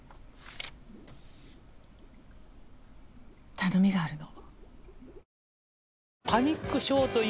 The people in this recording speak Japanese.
頼みがあるの。